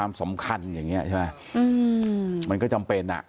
มันก็จำเป็นอ่ะ